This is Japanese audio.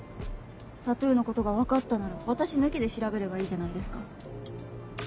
タトゥーのことが分かったなら私抜きで調べればいいじゃないですか。